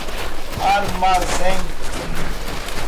Armazém